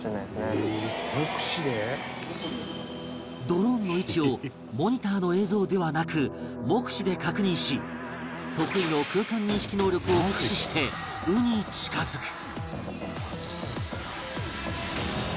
ドローンの位置をモニターの映像ではなく目視で確認し得意の空間認識能力を駆使して鵜に近づく